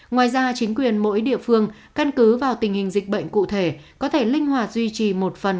ngoài ra chính quyền mỗi địa phương căn cứ vào tình hình dịch bệnh cụ thể có thể linh hoạt duy trì một phần